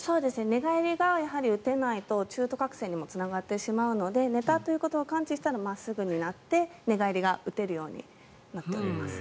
寝返りが打てないと中途覚醒にもつながってしまうので寝たということを感知したら真っすぐになって寝返りが打てるようになっております。